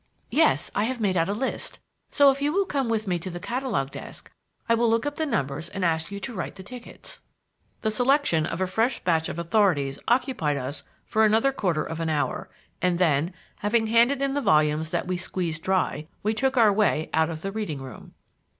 "Yes. I have made out a list, so if you will come with me to the catalogue desk I will look up the numbers and ask you to write the tickets." The selection of a fresh batch of authorities occupied us for another quarter of an hour, and then, having handed in the volumes that we had squeezed dry, we took our way out of the reading room.